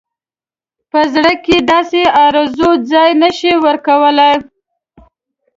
په زړه کې داسې آرزو ځای نه شي ورکولای.